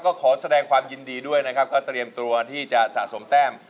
ก็ขอแสดงความยินดีด้วยนะครับก็เตรียมตัวที่จะสะสมแต้ม